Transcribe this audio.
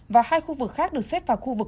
và hai khu vực khác được xếp vào khu vực